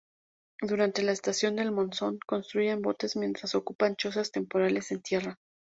Durante la estación del monzón construyen botes mientras ocupan chozas temporales en tierra.